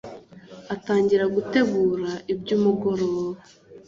atangira gutegura ibyumugoroba.